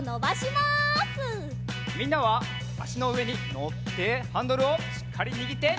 みんなはあしのうえにのってハンドルをしっかりにぎって。